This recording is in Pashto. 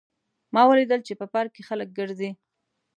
ما ولیدل چې په پارک کې خلک ګرځي